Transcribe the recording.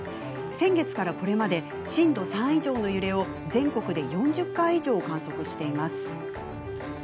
先月から、これまで震度３以上の揺れを全国で４０回以上観測しています。